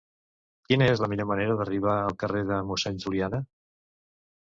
Quina és la millor manera d'arribar al carrer de Mossèn Juliana?